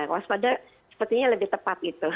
waspada sepertinya lebih tepat gitu